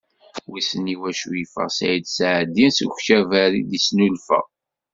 Wissen iwacu yeffeɣ Ssaɛid Seɛdi seg ukabar i d-yesnulfa.